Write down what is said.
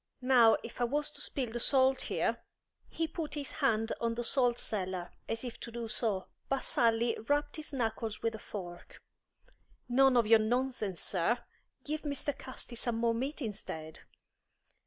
Now, if I was to spill the salt here " He put his hand on the salt cellar, as if to do so, but Sally rapped his knuckles with a fork. "None of your nonsense, sir! Give Mr. Casti some more meat, instead."